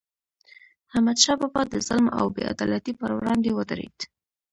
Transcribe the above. احمد شاه بابا د ظلم او بې عدالتی پر وړاندې ودرید.